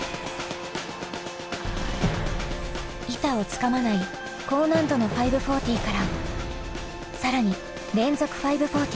板をつかまない高難度の５４０から更に連続５４０。